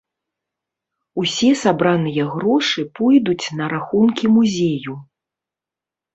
Усе сабраныя грошы пойдуць на рахункі музею.